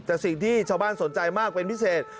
แต่สิ่งที่ชาวบ้านสนใจมากเป็นพิเศษ